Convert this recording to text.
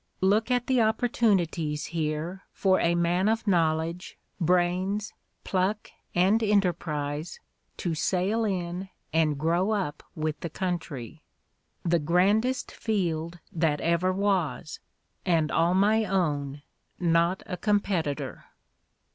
— "Look at the opportunities here for a man of knowledge, brains, pluck and enterprise to sail in and grow up with the country. The grandest field that ever was; and all my own, not a competitor."